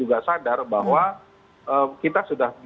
ada beberapa hal hal yang